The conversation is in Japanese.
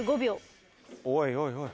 おいおいおい。